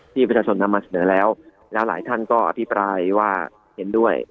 ที่ประชาชนนำมาเสนอแล้วแล้วหลายท่านก็อภิปรายว่าเห็นด้วย